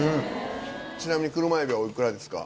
ちなみに車エビはおいくらですか？